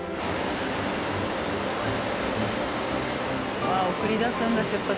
うわ送り出すんだ出発